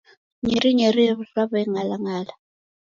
Nyerinyeri raweng'alang'ala.